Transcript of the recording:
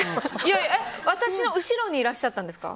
私の後ろにいらっしゃったんですか？